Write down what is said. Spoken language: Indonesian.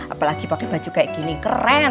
apalagi pakai baju kayak gini keren